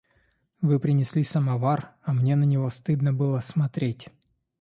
Вы принесли самовар, а мне на него стыдно было смотреть.